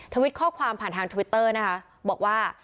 วิตข้อความผ่านทางทวิตเตอร์นะคะบอกว่า